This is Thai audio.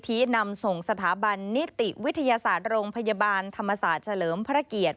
วิธีนำส่งสถาบันนิติวิทยาศาสตรงพยาบาลธรรมสาหร่ำพระเกียรติ